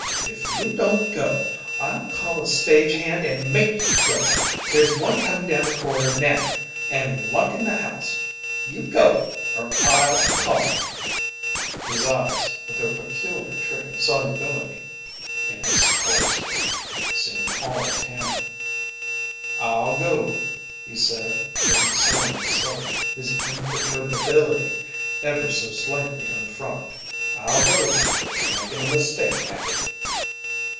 If you don't go, I'll call a stage hand and make you go. There's one coming down the corridor now and locking the house. You go or I'll call!" His eyes, with their peculiar trick of solubility in his color scheme, seemed all tan. "I'll go," he said, looking slim and Southern, his imperturbability ever so slightly unfrocked "I'll go, but you're making a mistake, Hattie."